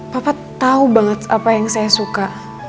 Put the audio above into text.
papa tahu banget apa yang saya suka